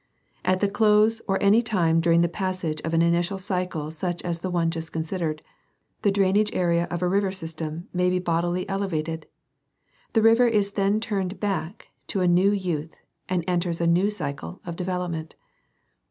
At the close or at any time during the passage of an initial cycle such as the one just considered, the drainage area of a river system may be bodily elevated. The river is then turned back to a new youth and enters a new cycle of development.